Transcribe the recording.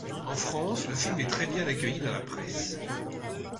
En France, le film est très bien accueilli dans la presse.